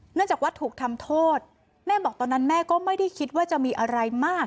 เนื่องจากว่าถูกทำโทษแม่บอกตอนนั้นแม่ก็ไม่ได้คิดว่าจะมีอะไรมาก